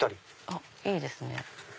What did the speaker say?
あっいいですね。